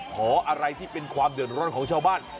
ขออะไรที่เป็นความเดือดร้อนของชาวบ้าน